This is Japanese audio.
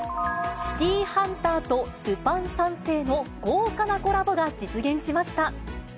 シティーハンターとルパン三世の豪華なコラボが実現しました。